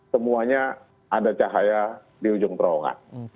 semuanya ada cahaya di ujung terowongan